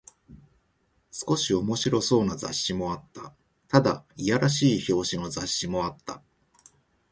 少し面白そうな雑誌もあった。ただ、いやらしい表紙の雑誌もあった。